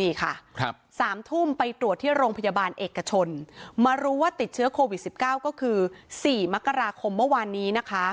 นี่ค่ะ๓ทุ่มไปตรวจที่โรงพยาบาลเอกชนมารู้ว่าติดเชื้อโควิด๑๙ก็คือ๔มกราคมเมื่อวานนี้นะคะ